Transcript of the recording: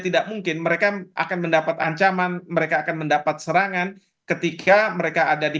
tidak mungkin mereka akan mendapat ancaman mereka akan mendapat serangan ketika mereka ada di